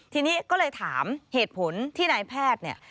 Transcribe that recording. ทีนี้ก็เลยถามเหตุผลที่นายแพทย์เนี่ย